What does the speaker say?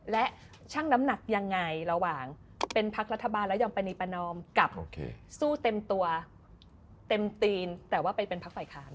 และช่างน้ำหนักยังไงระหว่างเป็นพักรัฐบาลแล้วยอมปรณีประนอมกับสู้เต็มตัวเต็มตีนแต่ว่าไปเป็นพักฝ่ายค้าน